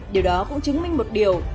điều đó cũng chứng minh một điều